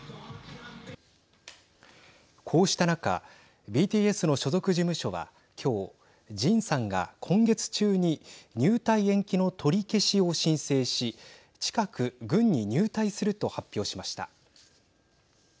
こうした中ＢＴＳの所属事務所は今日ジンさんが今月中に入隊延期の取り消しを申請し近く軍に入隊すると発表しました。